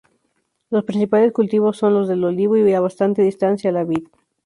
Los principales cultivos son los del olivo y, a bastante distancia, la vid.